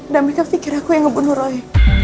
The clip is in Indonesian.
dan mereka pikir aku yang ngebunuh roy